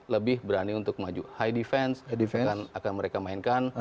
lebih berani untuk maju high defense akan mereka mainkan